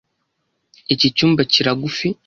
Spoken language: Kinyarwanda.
Iki cyumba kiragufi.